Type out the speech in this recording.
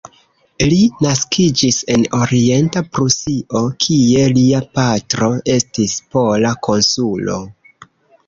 Li naskiĝis en Orienta Prusio, kie lia patro estis pola konsulo.